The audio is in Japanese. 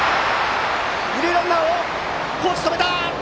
二塁ランナーをコーチは止めた！